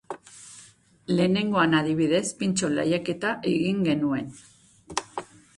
Lehengoan, adibidez, pintxo lehiaketa egin genuen.